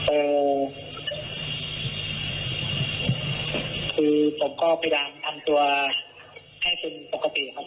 เอ่อคือผมก็พยายามทำตัวให้เป็นปกติครับ